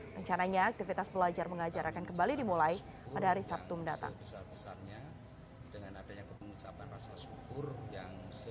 rencananya aktivitas belajar mengajar akan kembali dimulai pada hari sabtu mendatang